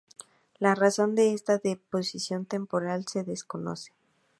La razón de esta deposición temporal se desconoce.